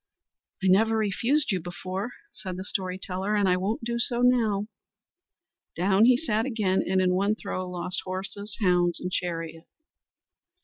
"I never refused you before," said the story teller, "and I won't do so now." Down he sat again, and in one throw lost horses, hounds, and chariot.